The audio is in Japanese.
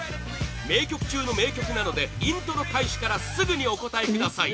名曲中の名曲なのでイントロ開始からすぐにお答えください！